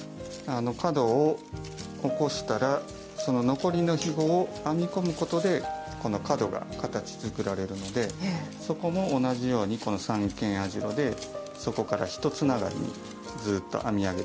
角を起こしたらその残りのひごを編み込むことでこの角が形づくられるのでそこも同じようにこの三間網代で底からひとつながりにずっと編み上げていきます。